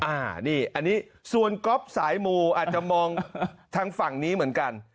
อันนี้อันนี้ส่วนก๊อฟสายมูอาจจะมองทางฝั่งนี้เหมือนกัน